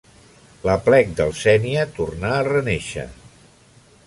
L’Aplec del Sénia torna a renàixer.